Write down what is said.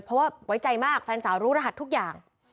เพราะว่าไว้ใจมากแฟนสาวรู้รหัสทุกอย่าง